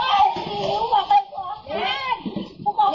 เฮ้ยเฮ้ยเฮ้ย